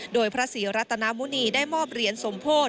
โดยพระศรีรัตนามุณีได้มอบเหรียญสมโพธิ